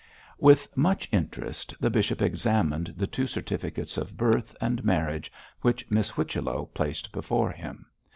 With much interest the bishop examined the two certificates of birth and marriage which Miss Whichello placed before him.